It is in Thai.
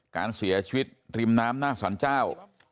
การเสียชีวิตริมน้ำหน้าสรรเจ้า